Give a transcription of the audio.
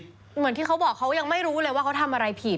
เหมือนที่เขาบอกเขายังไม่รู้เลยว่าเขาทำอะไรผิด